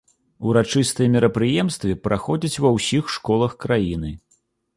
Урачыстыя мерапрыемствы праходзяць ва ўсіх школах краіны.